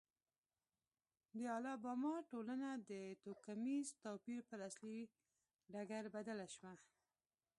د الاباما ټولنه د توکمیز توپیر پر اصلي ډګر بدله شوه.